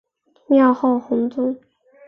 庙号弘宗。